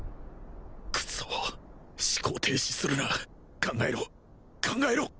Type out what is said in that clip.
クソッ思考停止するな考えろ考えろ！